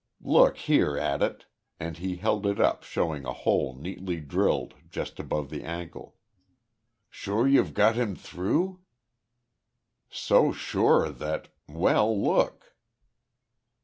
Look hereat it." And he held it up showing a hole neatly drilled just above the ankle. "Sure you've got him though?" "So sure that Well, look."